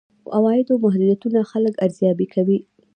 عوایدو محدودیتونه خلک ارزيابي کوي.